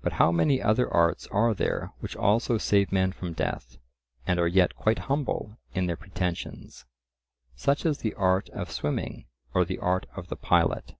But how many other arts are there which also save men from death, and are yet quite humble in their pretensions—such as the art of swimming, or the art of the pilot?